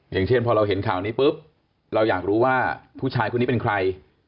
อย่างเช่นพอเราเห็นข่าวนี้ปุ๊บเราอยากรู้ว่าผู้ชายคนนี้เป็นใคร